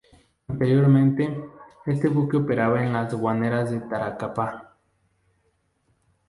Anteriormente, este buque operaba en las guaneras de Tarapacá.